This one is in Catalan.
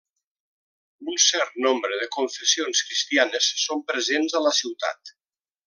Un cert nombre de confessions cristianes són presents a la ciutat.